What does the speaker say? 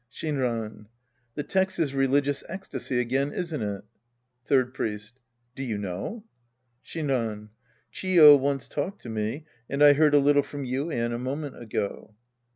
Shinran. The text is religious ecstasy again, isn't it? Third Priest. Do you know ? Shinran. Chi5 once talked to me, and I heard a little from Yuien a moment ago.